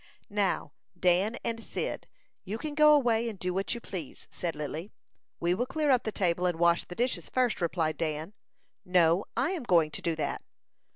"Now, Dan and Cyd, you can go away and do what you please," said Lily. "We will clear up the table and wash the dishes first," replied Dan. "No; I am going to do that."